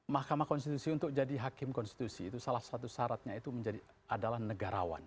mahkamah konstitusi untuk jadi hakim konstitusi itu salah satu syaratnya itu menjadi adalah negarawan